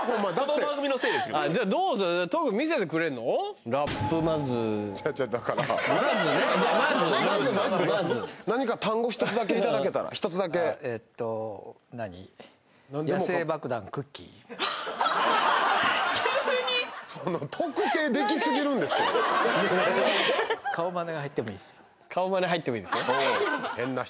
長いその特定できすぎるんですけど顔マネ入ってもいいですよ